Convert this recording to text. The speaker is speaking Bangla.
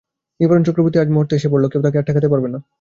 নিবারণ চক্রবর্তী আজ মর্তে এসে পড়ল, কেউ তাকে আর ঠেকাতে পারবে না।